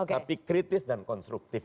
tapi kritis dan konstruktif